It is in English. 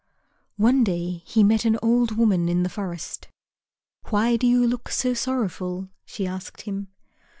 One day he met an old woman in the forest. "Why do you look so sorrowful?" she asked him.